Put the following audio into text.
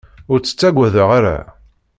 Ur tt-ttagadeɣ ara.